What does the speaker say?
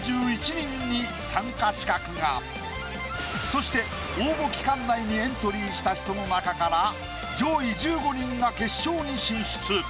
そして応募期間内にエントリーした人の中から上位１５人が決勝に進出。